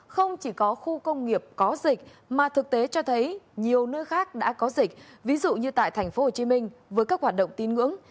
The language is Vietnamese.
không chỉ có khu công nghiệp có dịch mà thực tế cho thấy nhiều nơi khác đã có dịch ví dụ như tại tp hcm với các hoạt động tin ngưỡng